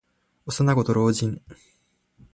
幼子と老人。